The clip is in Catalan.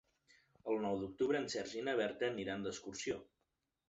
El nou d'octubre en Sergi i na Berta aniran d'excursió.